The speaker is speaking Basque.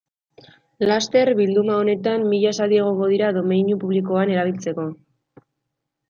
Laster, bilduma honetan, mila esaldi egongo dira domeinu publikoan erabiltzeko.